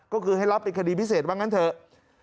ก็คือให้รับเป็นคดีพิเศษว่างั้นเถอะ